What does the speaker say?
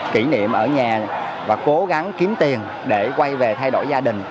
kỷ niệm ở nhà và cố gắng kiếm tiền để quay về thay đổi gia đình